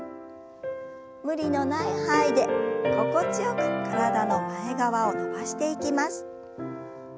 無理のない範囲で心地よく体の前側を伸ばしていきます。